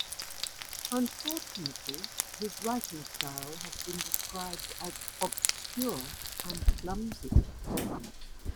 Unfortunately his writing style has been described as "obscure and clumsy".